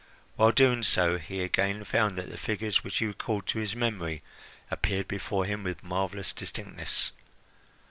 While doing so he again found that the figure which he recalled to his memory appeared before him with marvellous distinctness.